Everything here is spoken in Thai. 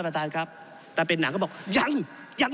แต่เป็นหนังก็บอกว่ายัง